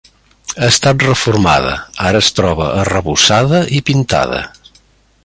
Ha estat reformada, ara es troba arrebossada i pintada.